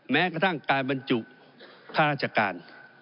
แม้กระทั่งการบรรจุค่าราชการ